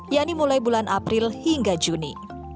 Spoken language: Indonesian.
yakni mulai bulan april hingga juni